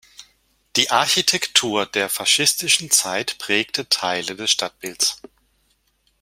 Die Architektur der faschistischen Zeit prägte Teile des Stadtbilds.